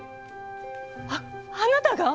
ああなたが！？